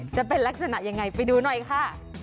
จะเป็นลักษณะยังไงไปดูหน่อยค่ะ